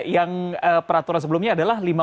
yang peraturan sebelumnya adalah